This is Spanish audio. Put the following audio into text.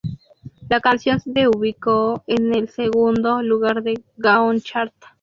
La canción de ubicó en el segundo lugar de Gaon Chart.